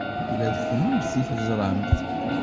Ula d kenwi teẓram-t.